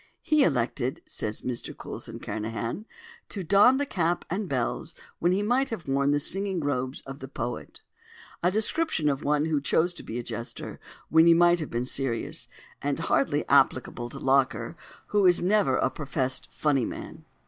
"He elected," says Mr Coulson Kernahan, "to don the cap and bells when he might have worn the singing robes of the poet": a description of one who chose to be a jester when he might have been serious, and hardly applicable to Locker, who is never a professed "funny man."